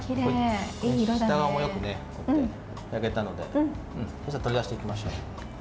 下もよく焼けたので取り出していきましょう。